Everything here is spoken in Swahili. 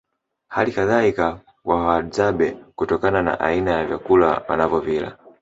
Hali kadhalika kwa Wahadzabe kutokana na aina ya vyakula wanavyovila